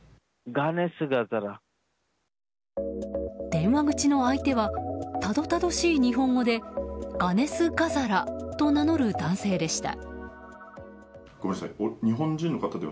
電話口の相手はたどたどしい日本語でガネスガザラと名乗る男性でした。